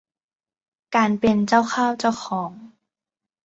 การเป็นเจ้าเข้าเจ้าของ